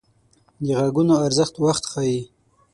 د غږونو ارزښت وخت ښيي